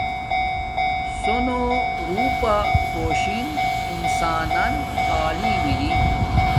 سُونو روپا گھوشن انسان نن تعلیم اری